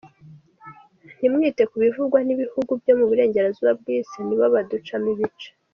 Ntimwite ku bivugwa n’ibihugu byo mu Burengerazuba bw’Isi, nibo baducamo ibice.